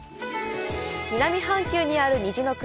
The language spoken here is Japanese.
南半球にある「虹の国」